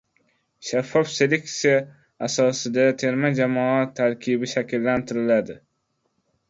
Shaffof seleksiya asosida terma jamoa tarkibi shakllantiriladi